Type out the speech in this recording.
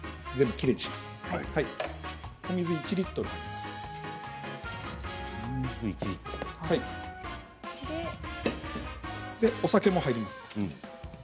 それでお酒も入ります。